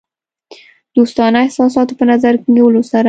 دوستانه احساساتو په نظر کې نیولو سره.